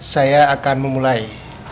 saya akan memulai